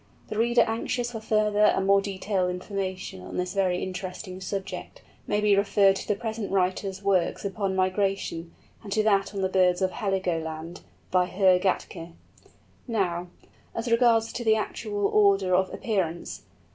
The reader anxious for further and more detailed information on this very interesting subject, may be referred to the present writer's works upon Migration, and to that on the birds of Heligoland, by Herr Gätke. Now, as regards the actual order of appearance.